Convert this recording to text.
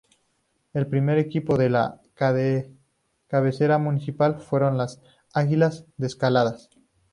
El primer equipo de la cabecera municipal fueron las Águilas Descalzas.